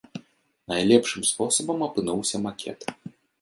Найлепшым спосабам апынуўся макет.